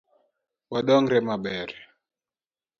Wadongore maber.